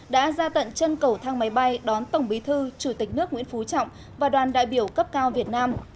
đã ra tận chân cầu thang máy bay đón tổng bí thư chủ tịch nước nguyễn phú trọng và đoàn đại biểu cấp cao việt nam